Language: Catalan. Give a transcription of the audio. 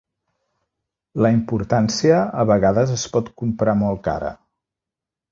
La importància a vegades es pot comprar molt cara.